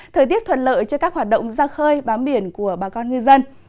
thời tiết thuận lợi cho các hoạt động giang khơi bám biển của bà con người dân